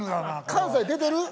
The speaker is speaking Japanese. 関西出てる？